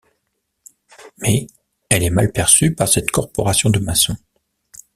Mais, elle est mal perçue par cette corporation de maçons.